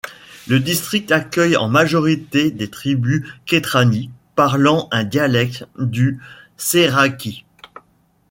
Le district accueille en majorité des tribus Khetrani, parlant un dialecte du seraiki.